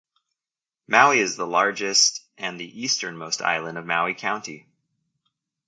Maui is the largest and the easternmost island of Maui County.